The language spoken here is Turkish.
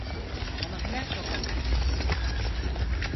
Ama hemen kapattınız